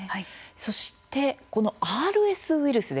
そしてこのＲＳウイルス